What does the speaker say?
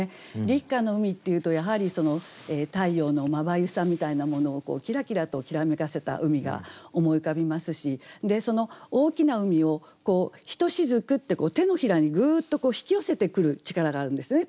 「立夏の海」っていうとやはり太陽のまばゆさみたいなものをキラキラときらめかせた海が思い浮かびますし大きな海を「ひと雫」って掌にぐっと引き寄せてくる力があるんですね